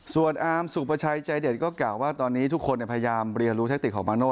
ส่วนอาร์มสุประชัยใจเด็ดก็กล่าวว่าตอนนี้ทุกคนพยายามเรียนรู้แทคติกของมาโน่